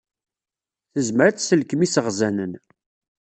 Tezmer ad tselkem iseɣzanen.